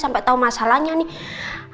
sampai tau masalahnya nih